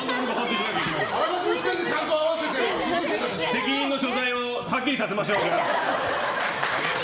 責任の所在をはっきりさせましょう。